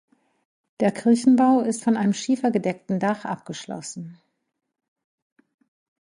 Der Kirchenbau ist von einem schiefergedeckten Dach abgeschlossen.